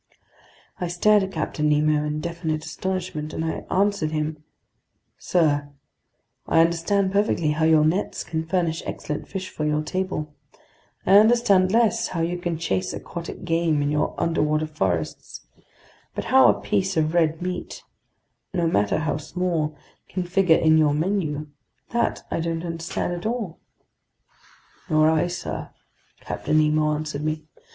I stared at Captain Nemo in definite astonishment, and I answered him: "Sir, I understand perfectly how your nets can furnish excellent fish for your table; I understand less how you can chase aquatic game in your underwater forests; but how a piece of red meat, no matter how small, can figure in your menu, that I don't understand at all." "Nor I, sir," Captain Nemo answered me.